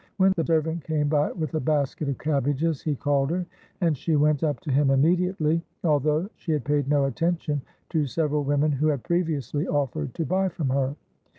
When the servant came by with a basket of cabbages, he called her, and she went up to him immediately, 23 ITALY although she had paid no attention to several women who had previously offered to buy from her.